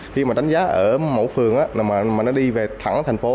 khi mà đánh giá ở mỗi phường mà nó đi về thẳng thành phố